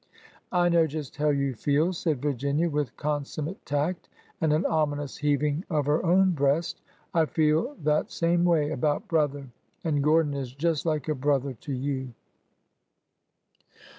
" I know just how you feel," said Virginia, with con summate tact, and an ominous heaving of her own breast. " I feel that same way about brother, and Gordon is just like a brother to you."